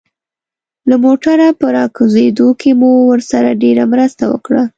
له موټره په راکوزېدو کې مو ورسره ډېره مرسته وکړه.